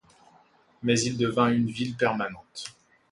Mais il devint une ville permanente.